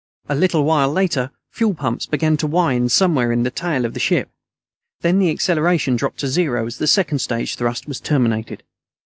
A little while later, fuel pumps began to whine somewhere in the tail of the ship. Then the acceleration dropped to zero as the second stage thrust was terminated.